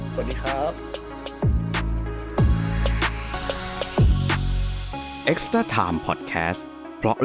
สวัสดีครับ